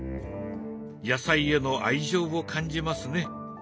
野菜への愛情を感じますね。